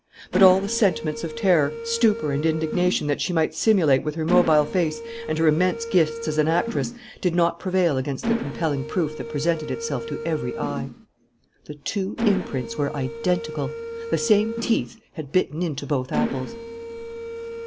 But all the sentiments of terror, stupor and indignation that she might simulate with her mobile face and her immense gifts as an actress, did not prevail against the compelling proof that presented itself to every eye. The two imprints were identical! The same teeth had bitten into both apples!